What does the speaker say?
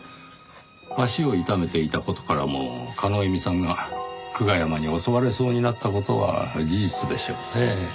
足を痛めていた事からも叶笑さんが久我山に襲われそうになった事は事実でしょうねぇ。